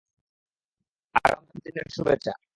আগাম জন্মদিনের শুভেচ্ছা।